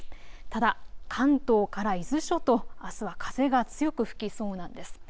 ただ関東から伊豆諸島、あすは風が強く吹きそうなんです。